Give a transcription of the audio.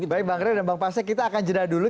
baik bang ray dan bang pasek kita akan jeda dulu